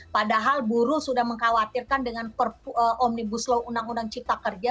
padahal buruh sudah mengkhawatirkan dengan omnibus law undang undang cipta kerja